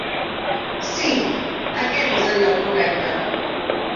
Sí, aquest és el lloc correcte.